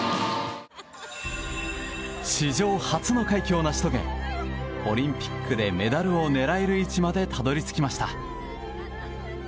史上初の快挙を成し遂げオリンピックでメダルを狙える位置までたどり着きました。